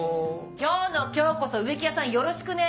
今日の今日こそ植木屋さんよろしくね。